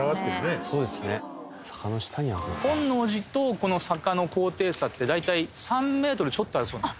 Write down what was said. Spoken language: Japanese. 本能寺とこの坂の高低差って大体３メートルちょっとあるそうなんです。